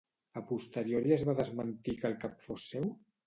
A posteriori es va desmentir que el cap fos seu?